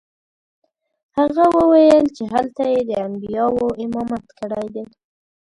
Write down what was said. هغه وویل چې هلته یې د انبیاوو امامت کړی دی.